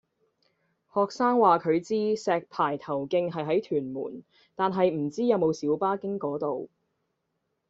學生話佢知石排頭徑係喺屯門，但係唔知有冇小巴經嗰度